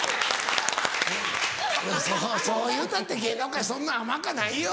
そういうたって芸能界そんな甘かないよ。